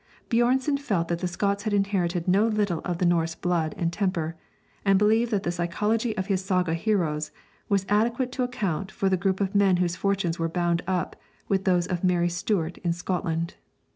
Björnson felt that the Scots had inherited no little of the Norse blood and temper, and believed that the psychology of his saga heroes was adequate to account for the group of men whose fortunes were bound up with those of Mary Stuart in Scotland.